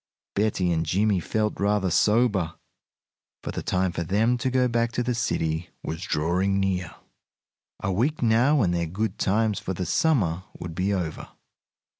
Betty and Jimmie felt rather sober, for the time for them to go back to the city was drawing near. A week now, and their good times for the summer would be over.